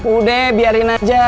udah biarin aja